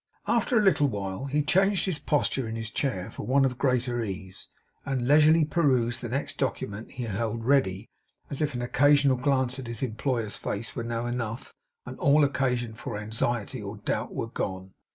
After a little while, he changed his posture in his chair for one of greater ease, and leisurely perused the next document he held ready as if an occasional glance at his employer's face were now enough and all occasion for anxiety or doubt were gone.